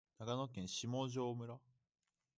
長野県下條村